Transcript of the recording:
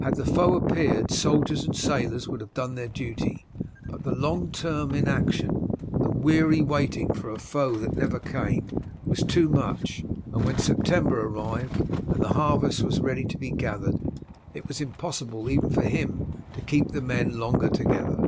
Had the foe appeared, soldiers and sailors would have done their duty, but the long term of inaction, the weary waiting for a foe that never came, was too much, and when September arrived and the harvest was ready to be gathered it was impossible even for him to keep the men longer together.